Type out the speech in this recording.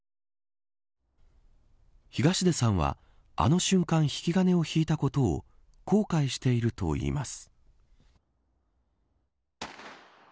東出さんはあの瞬間、引き金を引いたことを後悔しているといいます。